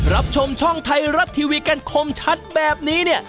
รับชมช่องไทยรัฐทีวีกันคมชัดแบบนี้เนี่ย